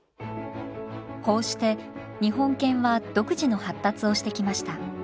こうして日本犬は独自の発達をしてきました。